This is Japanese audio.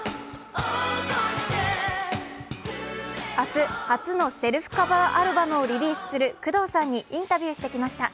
明日、初のセルフカバーアルバムを発表する工藤さんにインタビューしてきました。